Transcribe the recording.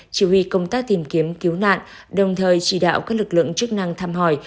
chỉ huy công tác tìm kiếm cứu nạn đồng thời chỉ đạo các lực lượng chức năng thăm hỏi